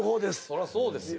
そらそうですよ